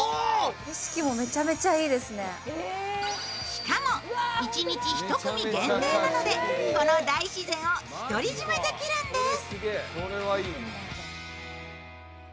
しかも、１日１組限定なのでこの大自然を独り占めできるんです。